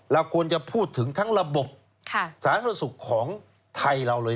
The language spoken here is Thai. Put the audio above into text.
เราควรจะพูดถึงทั้งระบบสาธารณสุขของไทยเราเลย